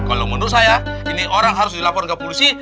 kalau menurut saya ini orang harus dilaporkan ke polisi